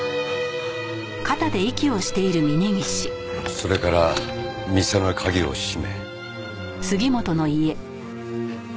それから店の鍵を閉め。